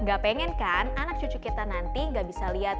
gak pengen kan anak cucu kita nanti gak bisa lihat